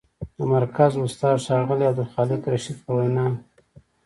د مرکز استاد، ښاغلي عبدالخالق رشید په وینا: